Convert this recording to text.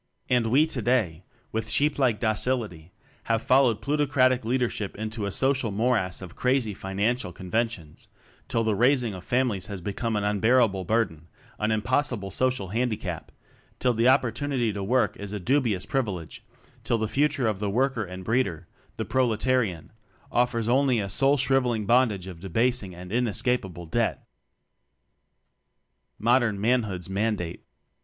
And we today, with sheeplike docility, have followed Plutocratic leadership into a social morass of crazy financial conventions, till the raising of families has become an unbearable burden, an impossible social handicap; till the opportunity to work is a dubious privilege; till the future of the worker and breeder the proletarian offers only a soul shriveling bondage of de basing and inescapable debt! Modern Manhood's Mandate.